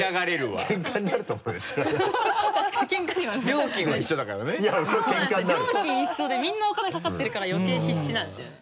料金一緒でみんなお金かかってるから余計必死なんですよね。